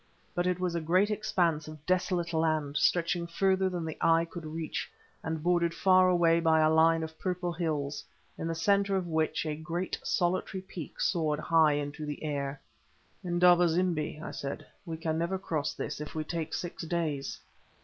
But it was a great expanse of desolate land, stretching further than the eye could reach, and bordered far away by a line of purple hills, in the centre of which a great solitary peak soared high into the air. "Indaba zimbi," I said, "we can never cross this if we take six days."